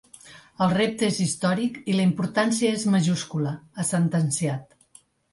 El repte és històric i la importància és majúscula, ha sentenciat.